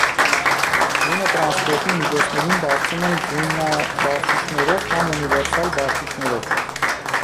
Ձյունը տրանսպորտի միջոցներին բարձում են ձյուևաբարձիչներով կամ ունիվերսալ բարձիչներով։